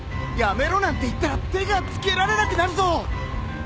やめろなんて言ったら手がつけられなくなるぞ！